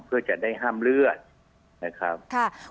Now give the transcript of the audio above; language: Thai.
เพื่อจะได้ห้ามเลือดนะครับ